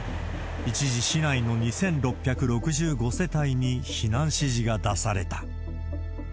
一時、市内の２６６５世帯に避難指示が出された。